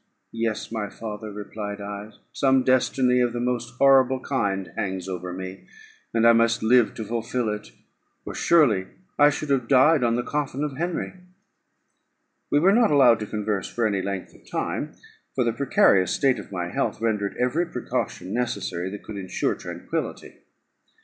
yes, my father," replied I; "some destiny of the most horrible kind hangs over me, and I must live to fulfil it, or surely I should have died on the coffin of Henry." We were not allowed to converse for any length of time, for the precarious state of my health rendered every precaution necessary that could ensure tranquillity.